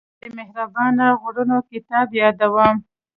د مهربانه غرونه کتاب يادوم.